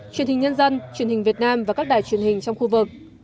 truyền hình nhân dân truyền hình việt nam và các đài truyền hình trong khu vực